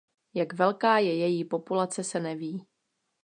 Jak velká je její populace se neví.